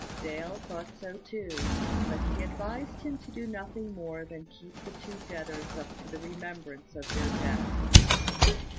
Dale thought so too; but he advised him to do nothing more than keep the two debtors up to the remembrance of their debt.